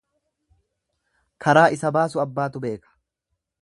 Karaa isa baasu abbaatu beeka.